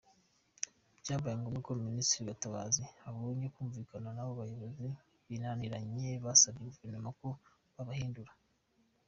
Byabaye ngombwa ko Ministre Gatabazi abonye kumvikana nabo bayobozi binaniranye, yasabye gouvernement ko babahindura.